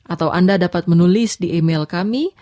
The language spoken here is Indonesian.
atau anda dapat menulis di email kami